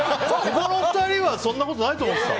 ここの２人はそんなことないと思ってた。